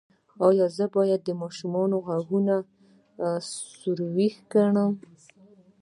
ایا زه باید د ماشوم غوږونه سورۍ کړم؟